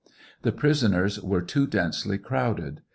The prisoners were too densely crowded.